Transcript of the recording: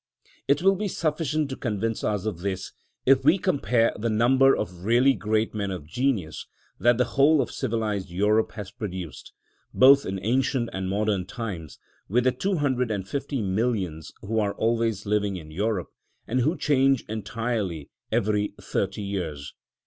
It will be sufficient to convince us of this if we compare the number of really great men of genius that the whole of civilised Europe has produced, both in ancient and modern times, with the two hundred and fifty millions who are always living in Europe, and who change entirely every thirty years.